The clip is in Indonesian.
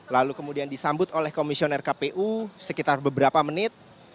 lalu kemudian disambut oleh komisioner kpu sekitar beberapa menit